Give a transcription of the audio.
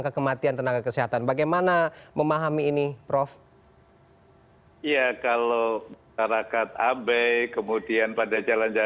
kadang kadang saya lihat ada juga